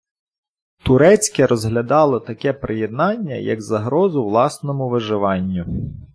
Турецьке розглядало таке приєднання як загрозу власному виживанню.